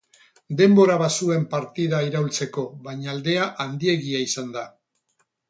Denbora bazuen partida iraultzeko, baina aldea handiegia izan da.